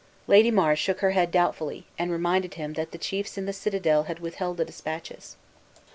Lady Mar shook her head doubtfully, and reminded him that the chiefs in the citadel had withheld the dispatches.